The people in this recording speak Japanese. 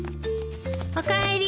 おかえり。